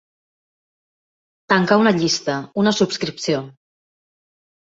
Tancar una llista, una subscripció.